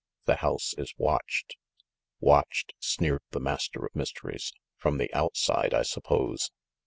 The house is watched." "Watched!" sneered the Master of Mysteries. "From the outside, I suppose